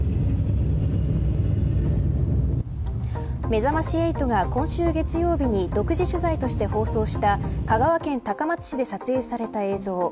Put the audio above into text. めざまし８が今週月曜日に独自取材として放送した香川県高松市で撮影された映像。